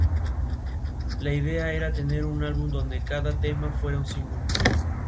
El museo es dirigido por el Saint Helena National Trust.